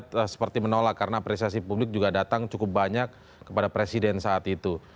mereka seperti menolak karena apresiasi publik juga datang cukup banyak kepada presiden saat itu